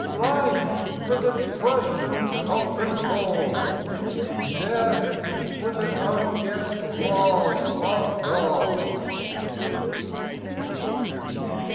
Life! with its questions of control! Death! with its unguessed laws of God!